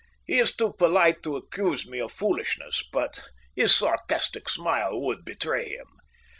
He is too polite to accuse me of foolishness, but his sarcastic smile would betray him."